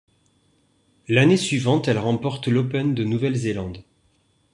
L'année suivante, elle remporte l'Open de Nouvelle-Zélande.